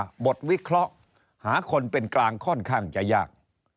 บทวิเคราะห์หาคนเป็นกลางค่อนข้างจะยาก